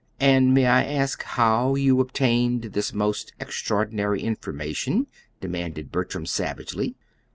"And may I ask HOW you obtained this most extraordinary information?" demanded Bertram, savagely.